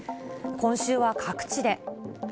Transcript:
今週は各地で。